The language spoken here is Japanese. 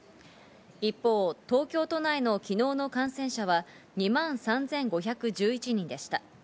一方、東京都内の昨日の感染者は２万３５１１人でした。